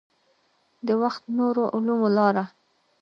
د وخت نورو علومو لاره.